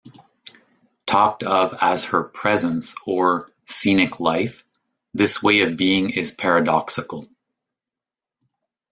Talked of as her "presence" or "scenic life", this way of being is paradoxical.